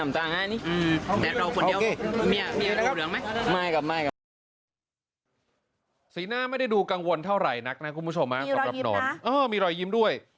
มีรอยยิ้มนะมีรอยยิ้มด้วย